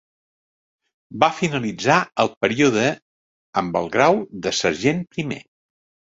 Va finalitzar el període amb el grau de sergent primer.